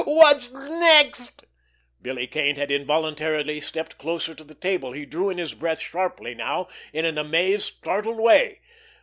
What's next?" Billy Kane had involuntarily stepped closer to the table. He drew in his breath sharply now, in an amazed, startled way.